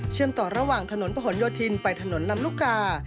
ต่อระหว่างถนนประหลโยธินไปถนนลำลูกกา